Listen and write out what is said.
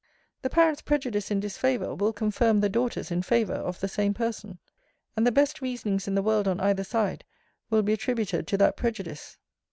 The parent's prejudice in disfavour, will confirm the daughter's in favour, of the same person; and the best reasonings in the world on either side, will be attributed to that prejudice.